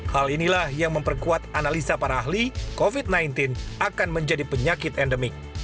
hal inilah yang memperkuat analisa para ahli covid sembilan belas akan menjadi penyakit endemik